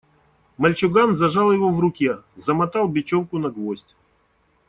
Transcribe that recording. Мальчуган зажал его в руке, замотал бечевку на гвоздь.